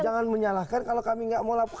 jangan menyalahkan kalau kami nggak mau lapor